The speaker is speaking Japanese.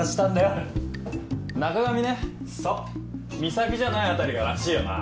『岬』じゃないあたりがらしいよな。